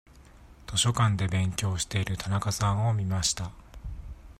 図書館で勉強している田中さんを見ました。